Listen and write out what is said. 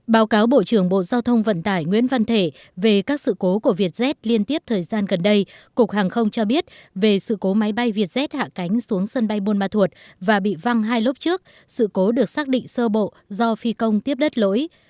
báo cáo bộ trưởng bộ giao thông vận tải nguyễn văn thể về các sự cố của vietjet liên tiếp thời gian gần đây cục hàng không cho biết về sự cố máy bay vietjet hạ cánh xuống sân bay buôn ma thuột và bị văng hai lốc trước sự cố được xác định sơ bộ do phi công tiếp đất lỗi